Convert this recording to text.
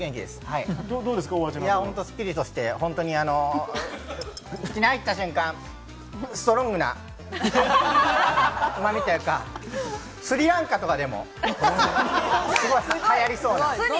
いやほんとにスッキリとして口に入った瞬間、ストロングなうま味というか、スリランカとかでも流行りそう。